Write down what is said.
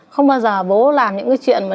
không bao giờ bố làm những cái chuyện mà